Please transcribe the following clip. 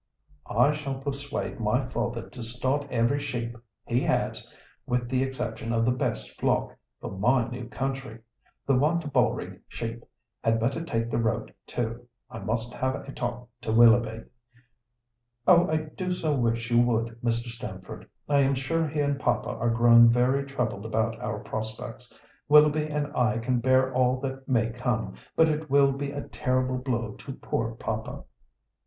"I shall persuade my father to start every sheep he has, with the exception of the best flock, for my new country. The Wantabalree sheep had better take the road too. I must have a talk to Willoughby." "Oh, I do so wish you would, Mr. Stamford. I am sure he and papa are growing very troubled about our prospects. Willoughby and I can bear all that may come, but it will be a terrible blow to poor papa."